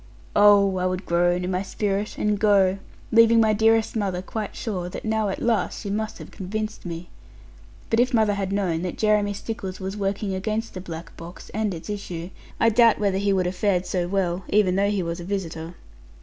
'Oh!' I would groan in my spirit, and go; leaving my dearest mother quite sure, that now at last she must have convinced me. But if mother had known that Jeremy Stickles was working against the black box, and its issue, I doubt whether he would have fared so well, even though he was a visitor.